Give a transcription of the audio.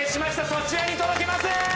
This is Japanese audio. そちらに届けます！